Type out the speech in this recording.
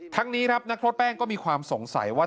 นี้ครับนักโทษแป้งก็มีความสงสัยว่า